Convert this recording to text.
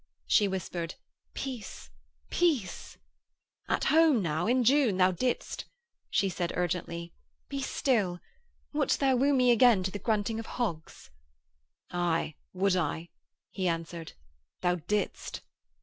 She whispered: 'Peace. Peace.' 'At home now. In June, thou didst....' She said urgently: 'Be still. Wouldst thou woo me again to the grunting of hogs?' 'Aye, would I,' he answered. 'Thou didst....'